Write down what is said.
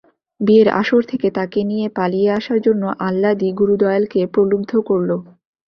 বিয়ের আসর থেকে তাকে নিয়ে পালিয়ে আসার জন্য আহ্লাদী গুরুদয়ালকে প্রলুব্ধ করল।